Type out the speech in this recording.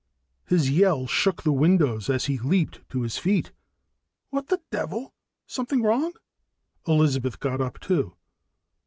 _" His yell shook the windows as he leaped to his feet. "What the devil something wrong?" Elizabeth got up too.